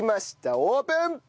オープン！